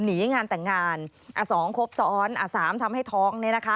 หนีงานแต่งงาน๒ครบซ้อน๓ทำให้ท้อง